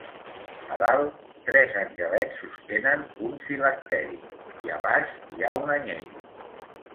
A dalt, tres angelets sostenen un Filacteri, i a baix hi ha un anyell.